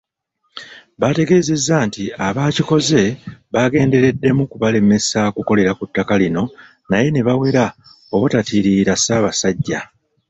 Baategezezza nti abaakikoze baagendereddemu kubalemesa kukolera ku ttaka lino naye nebawera obutatiirira Ssaabasajja.